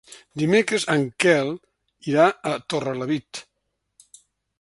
Dimecres en Quel irà a Torrelavit.